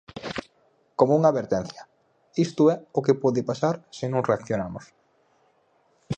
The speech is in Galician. Como unha advertencia: isto é o que pode pasar se non reaccionamos.